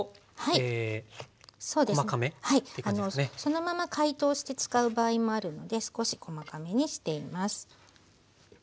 そのまま解凍して使う場合もあるので少し細かめにしています。